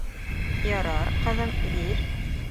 — Ярар, ҡыҙым, бир.